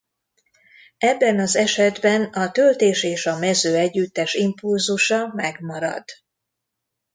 Ebben az esetben a töltés és a mező együttes impulzusa megmarad.